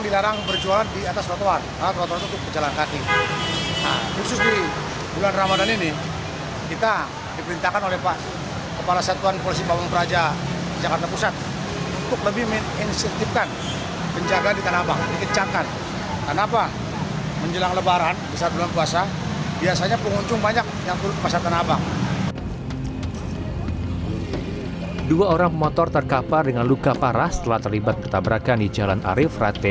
dua orang pemotor terkapar dengan luka parah setelah terlibat bertabrakan di jalan arif rate